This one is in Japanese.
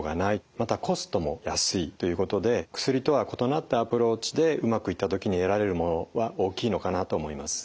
またコストも安いということで薬とは異なったアプローチでうまくいった時に得られるものは大きいのかなと思います。